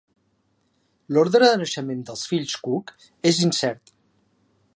L'ordre de naixement dels fills Cooke és incert.